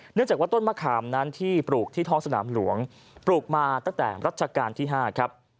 เนื่องจากว่าต้นมะขามนั้นที่ปลูกที่ท้องสนามหลวงปลูกมาตั้งแต่รัชกาลที่๕ครับ